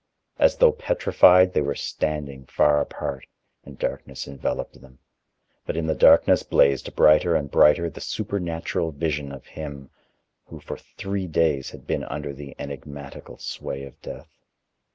As though petrified, they were standing far apart, and darkness enveloped them, but in the darkness blazed brighter and brighter the supernatural vision of him who for three days had been under the enigmatical sway of death.